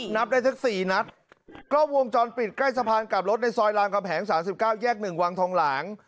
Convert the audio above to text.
นับได้สัก๔นัดกล้องวงจรปิดใกล้สะพานกลับรถในซอยลำกระแผง๓๙แยก๑วังทองหลัง